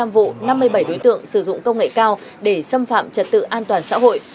và xâm phạm trật tự an toàn xã hội